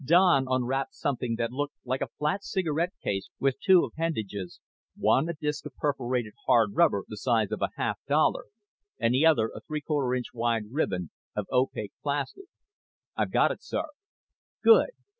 Don unwrapped something that looked like a flat cigarette case with two appendages, one a disk of perforated hard rubber the size of a half dollar, and the other a three quarter inch wide ribbon of opaque plastic. "I've got it, sir." "Good.